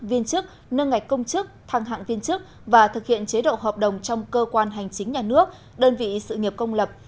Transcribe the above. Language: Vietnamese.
viên chức nâng ngạch công chức thăng hạng viên chức và thực hiện chế độ hợp đồng trong cơ quan hành chính nhà nước đơn vị sự nghiệp công lập